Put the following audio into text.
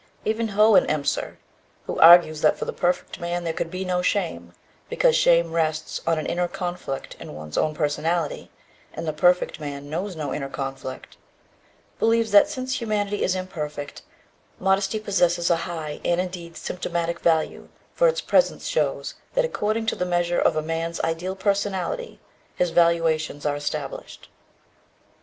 Even Hohenemser who argues that for the perfect man there could be no shame, because shame rests on an inner conflict in one's own personality, and "the perfect man knows no inner conflict" believes that, since humanity is imperfect, modesty possesses a high and, indeed, symptomatic value, for "its presence shows that according to the measure of a man's ideal personality, his valuations are established."